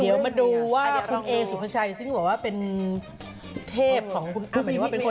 เดี๋ยวมาดูว่าคุณเอสุภาชัยซึ่งบอกว่าเป็นเทพของคุณอ้ำ